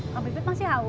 pak pipit masih haus